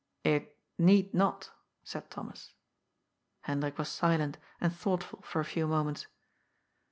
" It need not," said Thomas. Hendrik was silent and thoughtful for a few moments.